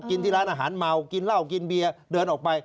ที่ร้านอาหารเมากินเหล้ากินเบียร์เดินออกไป